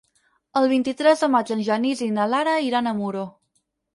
El vint-i-tres de maig en Genís i na Lara iran a Muro.